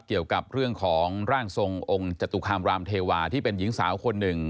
เกี่ยวกับเรื่องของร่างทรงองค์จตุคามรามเทวาที่เป็นหญิงสาวคนหนึ่ง